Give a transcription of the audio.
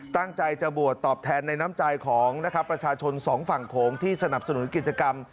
ตั้งใจจะบวชตอบแทนในน้ำใจของนะครับประชาชนสองฝั่งโขงที่สนับสนุนกิจกรรม